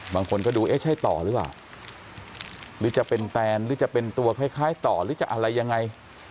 บางคนก็ดูเอ๊ะใช่ต่อหรือเปล่าหรือจะเป็นแตนหรือจะเป็นตัวคล้ายต่อหรือจะอะไรยังไง